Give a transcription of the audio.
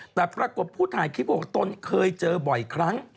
แต่ปรากฏผู้ถ่ายคลิปบอกตนเคยเจอบ่อยครั้ง